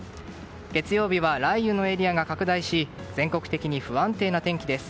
月曜日は雷雨のエリアが拡大し全国的に不安定な天気です。